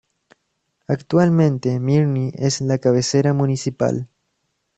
Actualmente Mirni es la cabecera municipal.